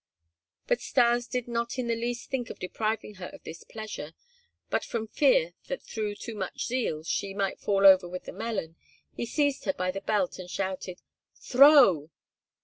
But Stas did not in the least think of depriving her of this pleasure, but from fear that through too much zeal she might fall over with the melon, he seized her by the belt and shouted: "Throw!"